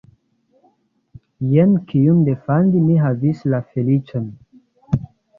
Jen kiun defendi mi havis la feliĉon!